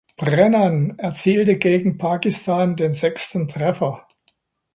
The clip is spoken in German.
Brennan erzielte gegen Pakistan den sechsten Treffer.